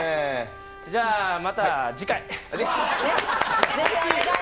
じゃあ、また次回！